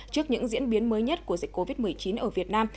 trước những diễn biến mới nhất của dịch covid một mươi chín ở việt nam